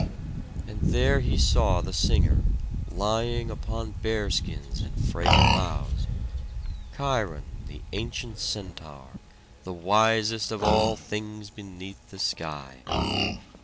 And there he saw the singer lying upon bear skins and fragrant boughs; Cheiron, the ancient centaur, the wisest of all things beneath the sky.